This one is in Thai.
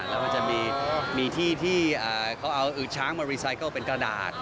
แล้วมันจะมีที่ที่เขาเอาช้างมารีไซเคิลเป็นกระดาษ